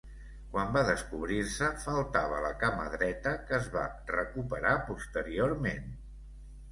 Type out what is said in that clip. Quan va descobrir-se, faltava la cama dreta, que es va recuperar posteriorment.